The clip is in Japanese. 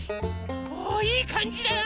おおいいかんじだな！